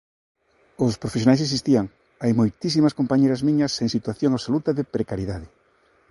Os profesionais existían; hai moitísimas compañeiras miñas en situación absoluta de precariedade.